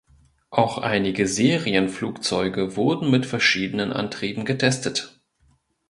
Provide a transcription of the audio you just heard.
Auch einige Serienflugzeuge wurden mit verschiedenen Antrieben getestet.